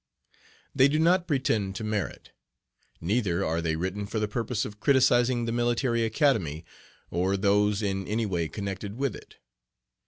They do not pretend to merit. Neither are they written for the purpose of criticising the Military Academy or those in any way connected with it.